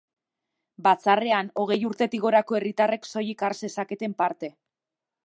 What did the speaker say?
Batzarrean, hogei urtetik gorako herritarrek soilik har zezaketen parte.